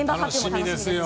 楽しみですよ。